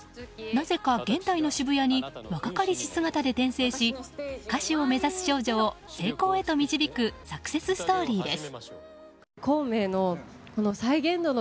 なぜか現代の渋谷で若かりし姿で転生し歌手を目指す少女を成功へと導くサクセスストーリーです。